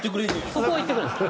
そこは言ってくるんです。